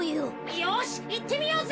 よしいってみようぜ！